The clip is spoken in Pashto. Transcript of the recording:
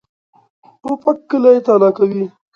توپک کلی تالا کوي.